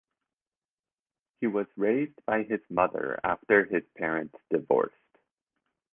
He was raised by his mother after his parents divorced.